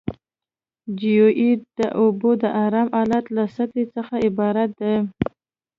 جیوئید د اوبو د ارام حالت له سطحې څخه عبارت ده